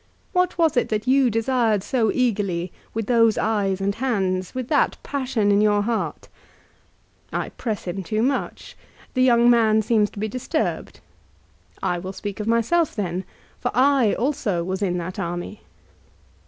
What was it that you desired so eagerly, with those eyes and hands, with that passion in your heart ? I press him too much. The young man seems to be disturbed. I will speak of myself then. For I also was in that army."